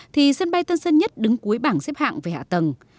thì sân bay tân sơn nhất đứng cuối bảng xếp hạng về hạ tầng